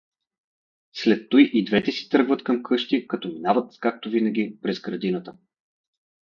След туй и двете си тръгват към къщи, като минават, както винаги, през градината.